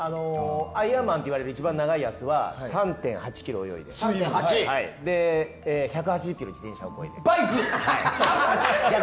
アイアンマンといわれる一番長いやつは３．８ｋｍ泳いで１８０ｋｍ自転車を漕いで。